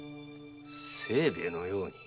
清兵衛のように？